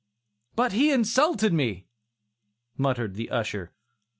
"But he insulted me," muttered the usher.